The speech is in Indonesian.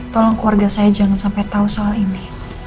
tolong keluarga saya jangan sampai tahu soal ini